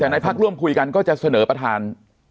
แต่ในพักร่วมคุยกันก็จะเสนอประธาน